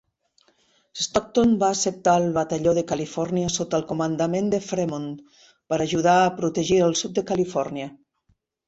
Stockton va acceptar el batalló de Califòrnia sota el comandament de Fremont per ajudar a protegir el sud de Califòrnia.